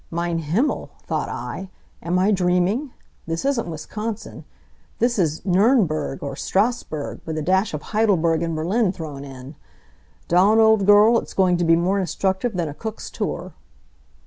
"Mein Himmel!" thought I. "Am I dreaming? This isn't Wisconsin. This is Nurnberg, or Strassburg, with a dash of Heidelberg and Berlin thrown in. Dawn, old girl, it's going to be more instructive than a Cook's tour."